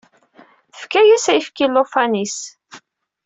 Tefka-as ayefki i ulufan-is.